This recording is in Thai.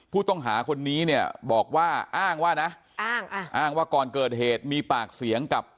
ผู้ต้องหาคนนี้เนี่ยบอกว่าอ้างว่านะอ้างว่าก่อนเกิดเหตุมีปากเสียงกับ